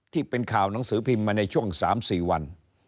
ที่เป็นข่าวหนังสือพิมพ์มาในช่วง๓๔วัน